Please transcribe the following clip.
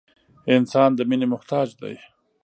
• انسان د مینې محتاج دی.